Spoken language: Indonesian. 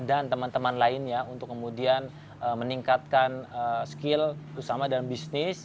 dan teman teman lainnya untuk kemudian meningkatkan skill usama dalam bisnis